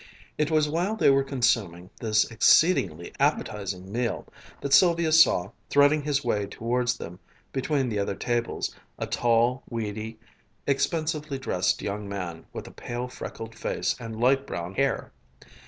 It was while they were consuming this exceedingly appetizing meal that Sylvia saw, threading his way towards them between the other tables, a tall, weedy, expensively dressed young man, with a pale freckled face and light brown hair.